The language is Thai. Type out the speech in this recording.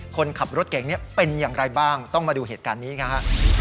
คนขับรถเก่งนี้เป็นอย่างไรบ้างต้องมาดูเหตุการณ์นี้กันฮะ